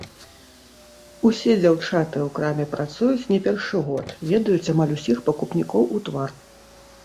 Усе дзяўчаты ў краме працуюць не першы год, ведаюць амаль усіх пакупнікоў у твар.